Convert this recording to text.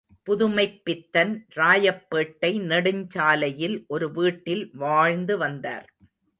புதுமைப்பித்தன் ராயப்பேட்டை நெடுஞ் சாலையில் ஒரு வீட்டில் வாழ்ந்து வந்தார்.